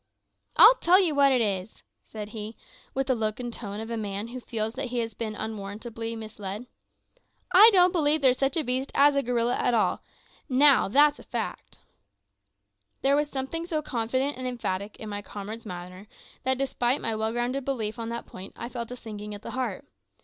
"I'll tell you what it is," said he, with the look and tone of a man who feels that he has been unwarrantably misled "I don't believe there's such a beast as a gorilla at all; now, that's a fact." There was something so confident and emphatic in my comrade's manner that, despite my well grounded belief on that point, I felt a sinking at the heart.